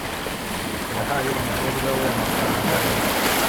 yahaye umukobwa we amafaranga menshi